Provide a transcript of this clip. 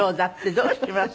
どうします？